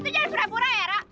lo tuh jadi pura pura ya ra